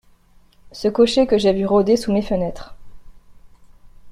Ce cocher que j’ai vu rôder sous mes fenêtres…